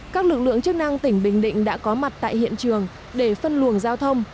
các lực lượng chức năng tỉnh bình định đã có mặt tại hiện trường để phân luồng giao thông